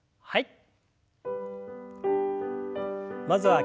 はい。